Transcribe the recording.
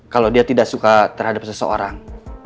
kalau dia tidak suka terhadap seseorang